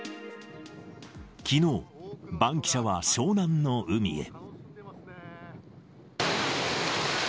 きのう、バンキシャは湘南の海へ。